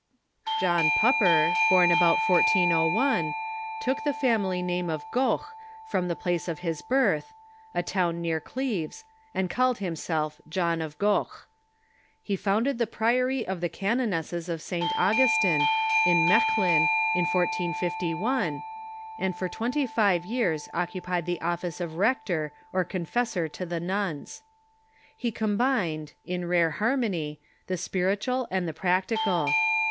John Pupper, born about 1401, took the family name of Goch from the place of his birth, a town near Cleves, and called himself John of Goch. He founded the Pri ory of the Canonesses of St. Augustine, in Mechlin, in 1451, and for twenty five years occupied the office of Rector or Con fessor to the nuns. He combined, in rare harmony, the spir itual and practical.